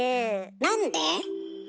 なんで？